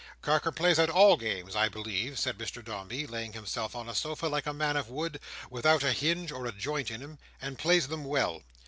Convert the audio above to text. "Carker plays at all games, I believe," said Mr Dombey, laying himself on a sofa like a man of wood, without a hinge or a joint in him; "and plays them well."